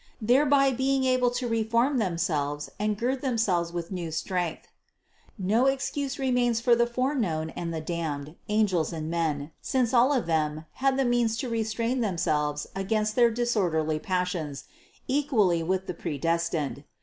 Thereby being able to reform themselves and gird themselves with new strength. No excuse re mains for the foreknown and the damned, angels and men, since all of them had the means to restrain themselves against their disorderly passions, equally with the predes tined.